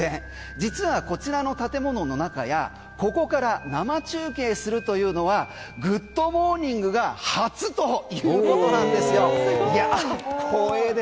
実はこちらの建物の中やここから生中継するというのは「グッド！モーニング」が初ということなんですよ。